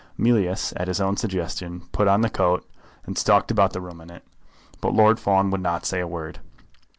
Mealyus, at his own suggestion, put on the coat, and stalked about the room in it. But Lord Fawn would not say a word.